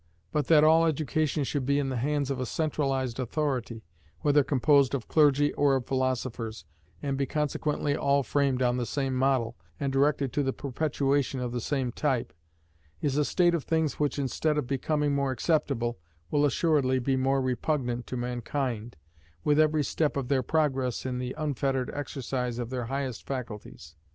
But that all education should be in the hands of a centralized authority, whether composed of clergy or of philosophers, and be consequently all framed on the same model, and directed to the perpetuation of the same type, is a state of things which instead of becoming more acceptable, will assuredly be more repugnant to mankind, with every step of their progress in the unfettered exercise of their highest faculties.